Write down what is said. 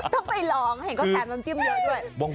ต้องไปลองเห็นเขาแถมน้ำจิ้มเยอะด้วย